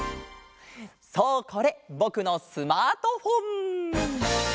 そうこれぼくのスマートフォン！